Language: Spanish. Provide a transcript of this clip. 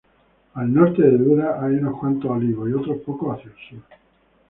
Al norte de Dura hay unos cuantos olivos, y otros pocos hacia el sur.